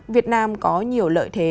việt nam có nhiều lợi thế này